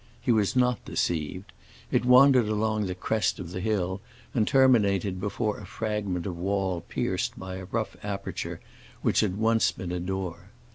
He was not deceived. It wandered along the crest of the hill and terminated before a fragment of wall pierced by a rough aperture which had once been a door.